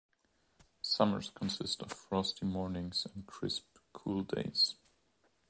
Summers consist of frosty mornings and crisp, cool days.